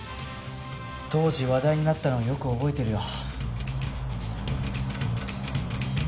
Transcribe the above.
当時話題になったのをよく覚えてるよ。